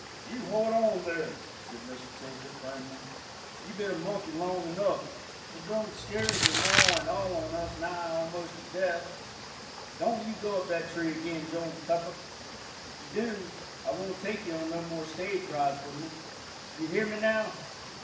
"You hold on there," said Mr. Tisbett, firmly; "you've been monkey long enough, and scart your Ma and all on us nigh almost to death. Don't you go up that tree again, Joel Pepper! If you do, I won't take you on no more stage rides with me. You hear me, now."